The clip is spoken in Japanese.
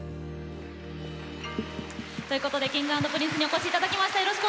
ということでＫｉｎｇ＆Ｐｒｉｎｃｅにお越しいただきました。